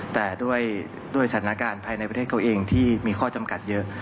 แต่ด้วยสถานการณ์ภายในประเทศเขาเองที่มีข้อจำกัดเยอะ